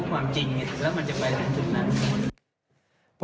สวัสดีครับ